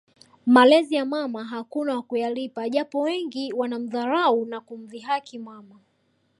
Malezi ya mama hakuna wa kuyalipa japo wengi wanamdharau na kumdhihaki mama